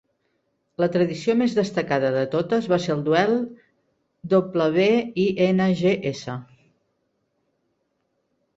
La tradició més destacada de totes va ser el duel "W-I-N-G-S".